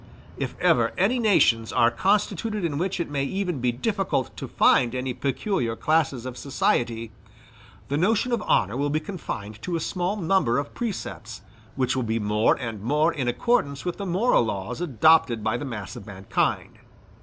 If ever any nations are constituted in which it may even be difficult to find any peculiar classes of society, the notion of honor will be confined to a small number of precepts, which will be more and more in accordance with the moral laws adopted by the mass of mankind.